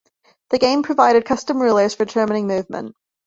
The game provided custom rulers for determining movement.